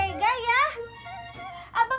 abang kan lihat sendiri